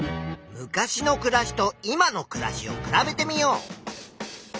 昔のくらしと今のくらしを比べてみよう。